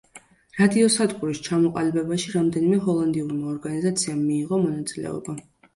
რადიოსადგურის ჩამოყალიბებაში რამდენიმე ჰოლანდიურმა ორგანიზაციამ მიიღო მონაწილეობა.